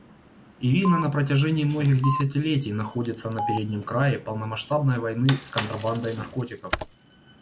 Иран на протяжении многих десятилетий находится на переднем крае полномасштабной войны с контрабандой наркотиков.